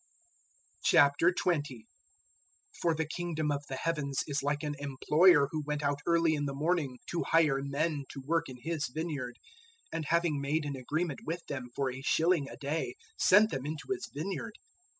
020:001 "For the Kingdom of the Heavens is like an employer who went out early in the morning to hire men to work in his vineyard, 020:002 and having made an agreement with them for a shilling a day, sent them into his vineyard.